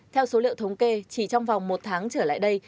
theo số liệu thống kê chỉ trong vòng một tháng trở lại đây